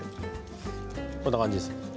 こんな感じですね。